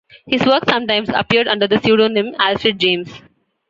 His work sometimes appeared under the pseudonym Alfred James.